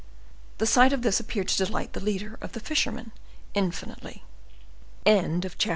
The sight of this appeared to delight the leader of the fishermen infinitely. Chapter XXIV.